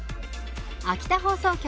秋田放送局